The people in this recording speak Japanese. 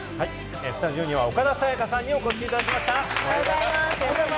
スタジオには岡田紗佳さんにお越しいただきました。